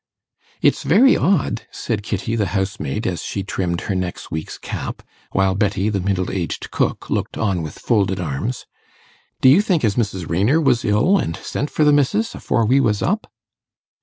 'It's very odd,' said Kitty, the housemaid, as she trimmed her next week's cap, while Betty, the middle aged cook, looked on with folded arms. 'Do you think as Mrs. Raynor was ill, and sent for the missis afore we was up?